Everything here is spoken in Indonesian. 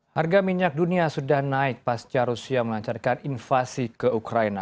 harga minyak dunia sudah naik pasca rusia melancarkan invasi ke ukraina